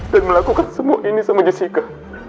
dan melakukan semua ini sama jessica